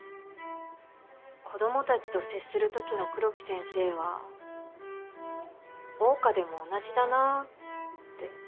子供たちと接する時の黒木先生は桜花でも同じだなって。